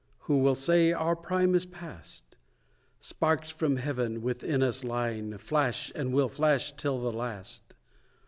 Who will say our prime is past? Sparks from Heaven, within us lying, Flash, and will flash till the last.